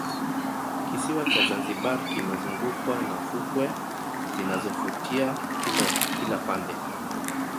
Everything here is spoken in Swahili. kisiwa cha zanzibar kimezungukwa na fukwe zinazovutia kila pande